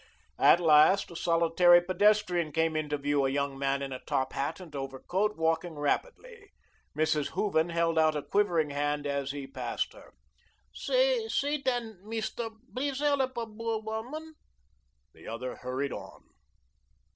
At last, a solitary pedestrian came into view, a young man in a top hat and overcoat, walking rapidly. Mrs. Hooven held out a quivering hand as he passed her. "Say, say, den, Meest'r, blease hellup a boor womun." The other hurried on.